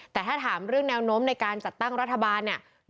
แต่ถ้าถามเรื่องแนวโน้มในการจัดตั้งรัฐบาลเนี่ย